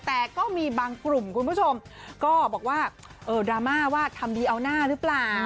แต่ก็มีบางกลุ่มคุณผู้ชมก็บอกว่าดราม่าว่าทำดีเอาหน้าหรือเปล่า